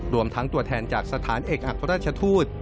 รวมทั้งตัวแทนจากสถานเอกอัครราชทูต